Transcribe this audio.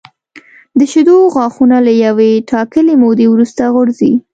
د شېدو غاښونه له یوې ټاکلې مودې وروسته غورځي.